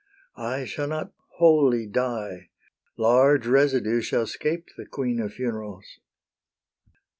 I shall not wholly die: large residue Shall 'scape the queen of funerals.